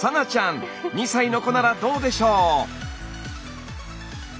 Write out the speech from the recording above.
２歳の子ならどうでしょう？